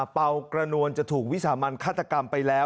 เป่ากระนวลจะถูกวิสามันฆาตกรรมไปแล้ว